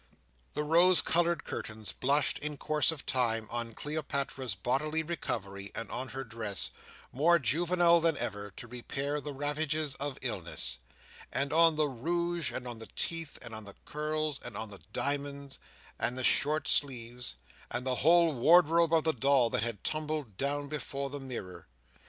The rose coloured curtains blushed, in course of time, on Cleopatra's bodily recovery, and on her dress—more juvenile than ever, to repair the ravages of illness—and on the rouge, and on the teeth, and on the curls, and on the diamonds, and the short sleeves, and the whole wardrobe of the doll that had tumbled down before the mirror.